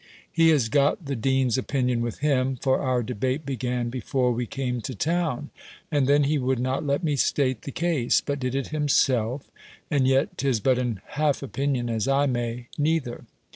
He has got the dean's opinion with him; for our debate began before we came to town: and then he would not let me state the case; but did it himself; and yet 'tis but an half opinion, as I may, neither.